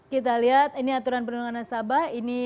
kita lihat ini aturan perundangan nasabah ini